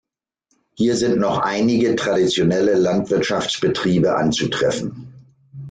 Hier sind noch einige traditionelle Landwirtschaftsbetriebe anzutreffen.